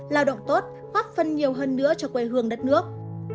lao động tốt góp phân nhiều hơn nữa cho quê hương đất nước